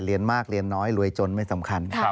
เรียนมากเรียนน้อยรวยจนไม่สำคัญ